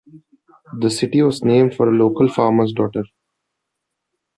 The city was named for a local farmer's daughter.